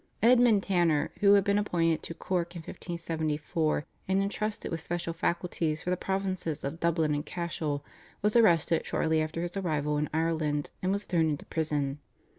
Edmund Tanner, who had been appointed to Cork in 1574, and entrusted with special faculties for the provinces of Dublin and Cashel, was arrested shortly after his arrival in Ireland and was thrown into prison.